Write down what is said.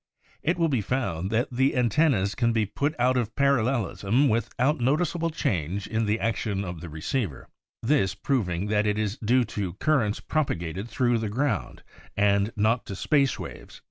It will be found that the antennas can be put out of parallelism without noticeable change in the action on the receiver, this proving that it is due to currents propagated thru the ground and not to space waves.